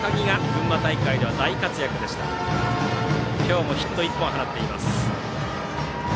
今日もヒット１本放っています。